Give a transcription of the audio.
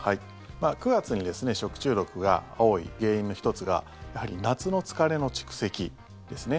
９月にですね食中毒が多い原因の１つがやはり夏の疲れの蓄積ですね。